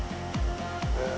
へえ。